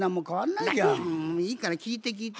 いいから聞いて聞いて。